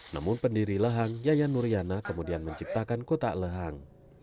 namun pendiri lehang yayan nuriana kemudian menciptakan kotak lehang